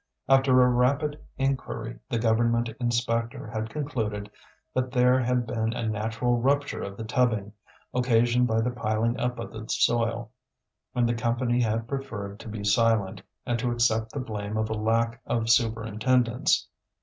After a rapid inquiry the Government inspector had concluded that there had been a natural rupture of the tubbing, occasioned by the piling up of the soil; and the Company had preferred to be silent, and to accept the blame of a lack of superintendence.